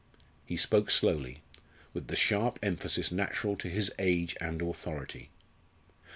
He spoke slowly, with the sharp emphasis natural to his age and authority.